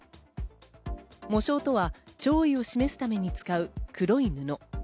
喪章とは弔意を示すために使う黒い布。